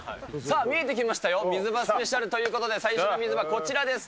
見えてきましたよ、水場スペシャルということで、最初の水場、こちらです。